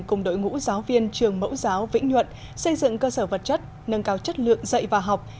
cùng đội ngũ giáo viên trường mẫu giáo vĩnh nhuận xây dựng cơ sở vật chất nâng cao chất lượng dạy và học